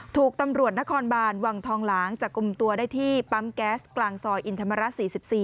ถูกตำรวจนครบานวังทองหลางจับกลุ่มตัวได้ที่ปั๊มแก๊สกลางซอยอินธรรมระ๔๔